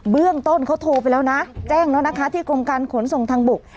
เบื้องต้นเขาโทรไปแล้วนะแจ้งแล้วนะคะที่กรมการขนส่งทางบก